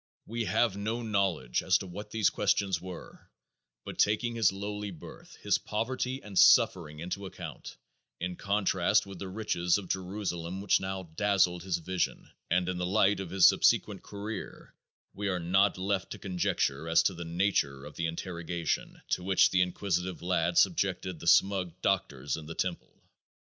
We have no knowledge as to what these questions were, but taking his lowly birth, his poverty and suffering into account, in contrast with the riches of Jerusalem which now dazzled his vision, and in the light of his subsequent career we are not left to conjecture as to the nature of the interrogation to which the inquisitive lad subjected the smug doctors in the temple.